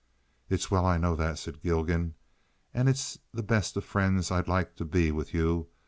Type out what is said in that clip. "It's well I know that," said Gilgan, "and it's the best of friends I'd like to be with you.